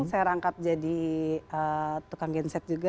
saya rangkap jadi tukang genset juga